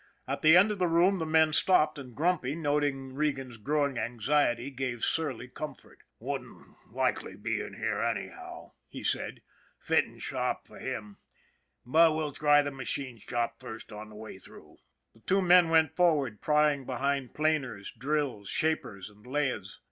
At the end of the room the men stopped, and Grumpy, noting Regan's growing anxiety, gave surly comfort. " Wouldn't likely be here, anyhow," he said. " Fitting shop fer him ; but we'll try the machine shop first on the way through." The two men went forward, prying behind planers, drills, shapers, and lathes.